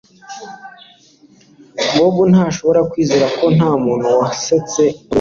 Bobo ntashobora kwizera ko ntamuntu wasetse urwenya rwe